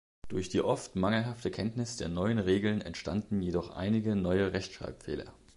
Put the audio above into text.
Durch die oft mangelhafte Kenntnis der neuen Regeln entstanden jedoch einige neue Rechtschreibfehler.